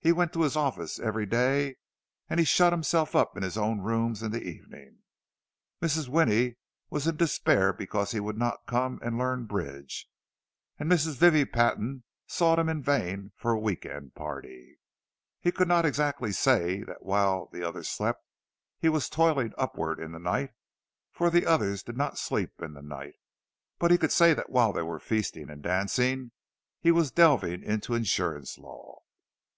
He went to his office every day, and he shut himself up in his own rooms in the evening. Mrs. Winnie was in despair because he would not come and learn bridge, and Mrs. Vivie Patton sought him in vain for a week end party. He could not exactly say that while the others slept he was toiling upward in the night, for the others did not sleep in the night; but he could say that while they were feasting and dancing, he was delving into insurance law.